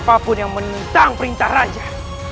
apapun yang mentang perintah raja